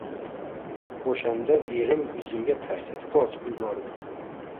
O`shanda erim yuzimga tarsaki tortib yubordi